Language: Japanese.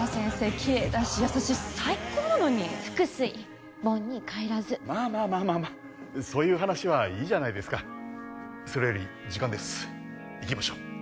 きれいだし優しいし最高なのに覆水盆に返らずまあまあまあまあまあそういう話はいいじゃないですかそれより時間です行きましょう